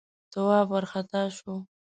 تواب وارخطا شو: